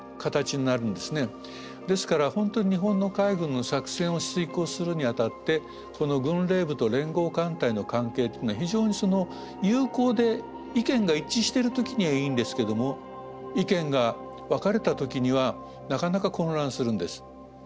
ですから本当に日本の海軍の作戦を遂行するにあたってこの軍令部と連合艦隊の関係っていうのは非常に有効で意見が一致してる時にはいいんですけども意見が分かれた時にはなかなか混乱するんです。